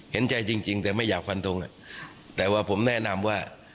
เห็นใจจริงแต่ไม่อยากฟันทงแต่ว่าผมแนะนำว่า